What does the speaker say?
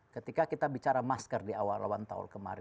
ketika kita bicara masker di awal awal tahun kemarin